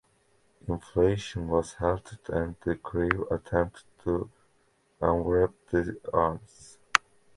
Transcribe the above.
Inflation was halted and the crew attempted to unwrap the arms.